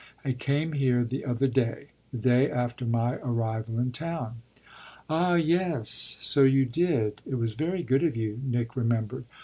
I came here the other day the day after my arrival in town." "Ah yes, so you did; it was very good of you" Nick remembered.